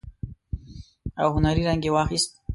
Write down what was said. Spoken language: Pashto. او هنري رنګ يې واخيست.